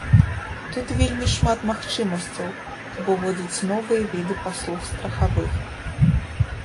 Тут вельмі шмат магчымасцяў, каб уводзіць новыя віды паслуг страхавых.